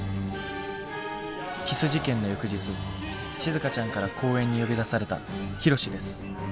キス事件の翌日しずかちゃんから公園に呼び出されたヒロシです。